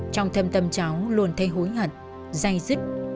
trong thâm tâm cháu luôn thấy hối hận dây dứt